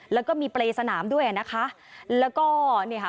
แล้วก็มีเปรย์สนามด้วยนะคะแล้วก็เนี่ยค่ะ